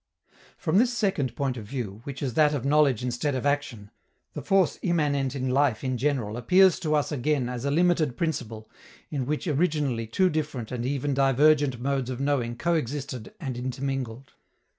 From this second point of view, which is that of knowledge instead of action, the force immanent in life in general appears to us again as a limited principle, in which originally two different and even divergent modes of knowing coexisted and intermingled.